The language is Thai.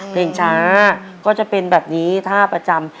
เพลงช้าก็จะเป็นแบบนี้ท่าประจำ